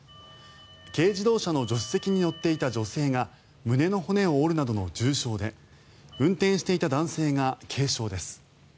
軽自動車の助手席に乗っていた女性が胸の骨を折るなどの重傷で運転していた男性が軽傷です。